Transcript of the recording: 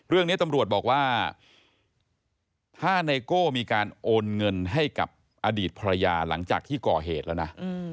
เรื่องนี้ตำรวจบอกว่าถ้าไนโก้มีการโอนเงินให้กับอดีตภรรยาหลังจากที่ก่อเหตุแล้วนะ